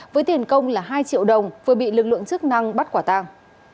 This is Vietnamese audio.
với tiền công là hai triệu đồng vừa bị lực lượng chức năng bắt quả tàng